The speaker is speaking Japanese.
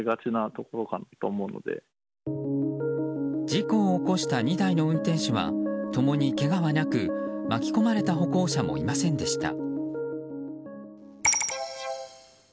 事故を起こした２台の運転手は共にけがはなく巻き込まれた歩行者もいませんでした。